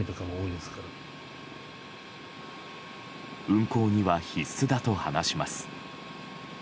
運航には必須だと話します。